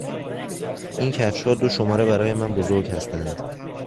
این کفشها دو شماره برای من بزرگ هستند.